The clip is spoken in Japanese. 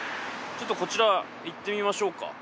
ちょっとこちら行ってみましょうか。